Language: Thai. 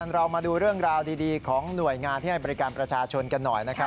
เรามาดูเรื่องราวดีของหน่วยงานที่ให้บริการประชาชนกันหน่อยนะครับ